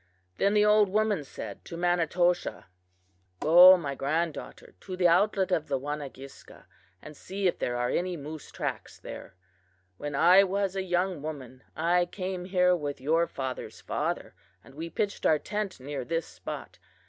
Then the old woman said to Manitoshaw: "'Go, my granddaughter, to the outlet of the Wanagiska, and see if there are any moose tracks there. When I was a young woman, I came here with your father's father, and we pitched our tent near this spot.